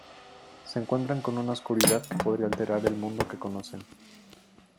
Se encuentran con una oscuridad que podría alterar el mundo que conocen.